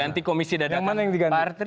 ganti komisi dadakan